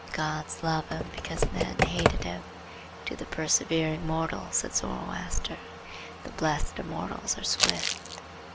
The gods love him because men hated him. "To the persevering mortal," said Zoroaster, "the blessed Immortals are swift."